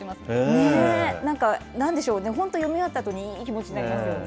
なんか、なんでしょうね、本当、読み終わったあとにいい気持ちになりますよね。